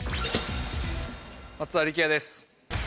松田力也です。